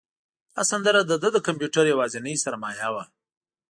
دا سندره د ده د کمپیوټر یوازینۍ سرمایه وه.